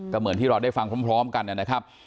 ก็เหมือนที่เราได้ฟังพร้อมกันนะครับ